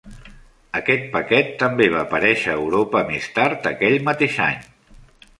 Aquest paquet també va aparèixer a Europa més tard aquell mateix any.